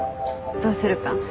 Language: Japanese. どうするか。